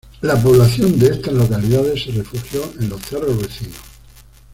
La población de estas localidades se refugió en los cerros vecinos.